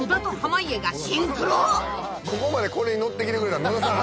ここまでこれに乗ってきてくれたん野田さん